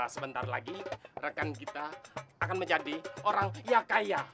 sebentar lagi rekan kita akan menjadi orang yang kaya